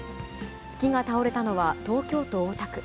木が倒れたのは、東京都大田区。